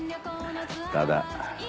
ただ。